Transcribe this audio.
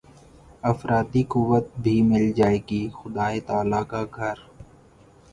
افرادی قوت بھی مل جائے گی خدائے تعالیٰ کا گھر